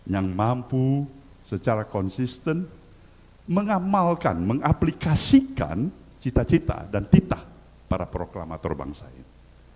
yang mampu secara konsisten mengamalkan mengaplikasikan cita cita dan pitah para proklamator bangsa ini